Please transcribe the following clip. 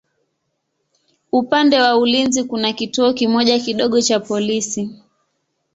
Upande wa ulinzi kuna kituo kimoja kidogo cha polisi.